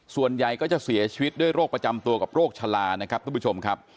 ส่วนใหญ่ก็จะเสียชีวิตด้วยโรคประจำตัวกับโรคชะลานะครับทุกผู้ชมครับ